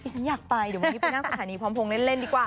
ฉันอยากไปเดี๋ยววันนี้ไปนั่งสถานีพร้อมพงษ์เล่นดีกว่า